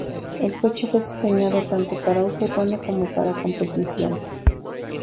El coche fue diseñado tanto para uso urbano como para competición.